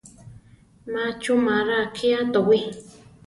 Má chumara akiá towí.